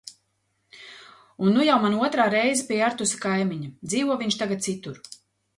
Un nu jau mana otrā reize pie Artusa Kaimiņa, dzīvo viņš tagad citur.